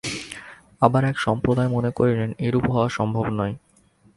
আবার এক সম্প্রদায় মনে করিলেন, এইরূপ হওয়া সম্ভব নয়।